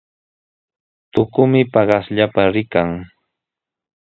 Tukumi paqaspalla rikan.